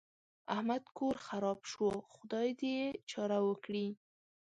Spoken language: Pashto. احمد کور خراپ شو؛ خدای دې يې چاره وکړي.